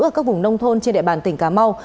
ở các vùng nông thôn trên địa bàn tỉnh cà mau